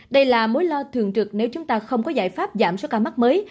đây là mối lo thường trực nếu chúng ta không có giải pháp giảm số ca mắc mới